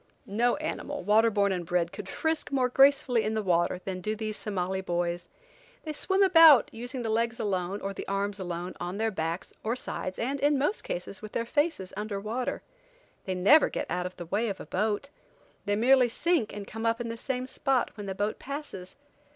No animal, waterborn and bred, could frisk, more gracefully in the water than do these Somali boys. They swim about, using the legs alone, or the arms alone, on their backs, or sides, and, in most cases, with their faces under water. They never get out of the way of a boat. They merely sink and come up in the same spot when the boat passes.